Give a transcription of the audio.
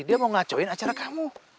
dia mau ngacoin acara kamu